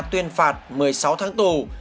tuyên phạt một mươi sáu tháng tù